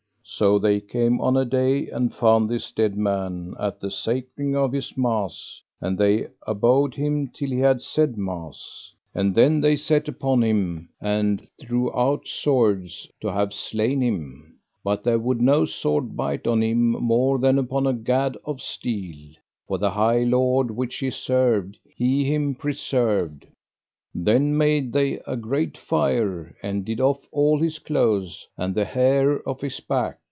So they came on a day, and found this dead man at the sacring of his mass, and they abode him till he had said mass. And then they set upon him and drew out swords to have slain him; but there would no sword bite on him more than upon a gad of steel, for the high Lord which he served He him preserved. Then made they a great fire, and did off all his clothes, and the hair off his back.